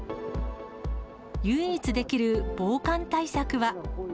唯一できる防寒対策は。